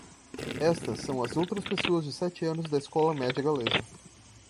Estas são as outras pessoas de sete anos na escola média-galesa.